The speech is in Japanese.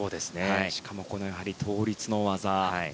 しかも倒立の技。